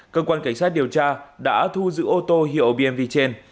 cơ quan cảnh sát điều tra đã thu giữ ô tô hiệu bmw trên